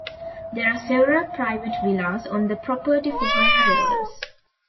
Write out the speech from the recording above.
There are several private villas on the property for high-rollers.